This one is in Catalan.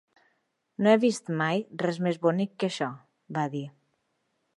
"No he vist mai res més bonic que això", va dir.